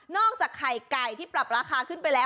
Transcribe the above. จากไข่ไก่ที่ปรับราคาขึ้นไปแล้ว